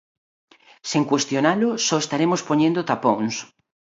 Sen cuestionalo, só estaremos poñendo tapóns.